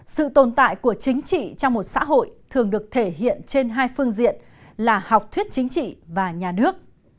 sự tồn tại của chính trị trong một xã hội thường được thể hiện trên hai phương diện là học thuyết chính trị và nhà nước